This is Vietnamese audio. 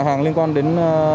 hàng liên quan đến